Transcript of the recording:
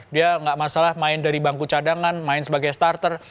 dia nggak masalah main dari bangku cadangan main sebagai starter